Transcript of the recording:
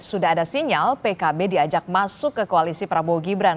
sudah ada sinyal pkb diajak masuk ke koalisi prabowo gibran